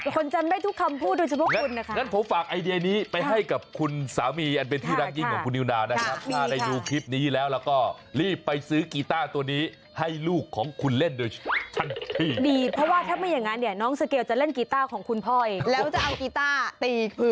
คนจำไม่ทุกคำพูดด้วยเฉพาะคุณนะครับ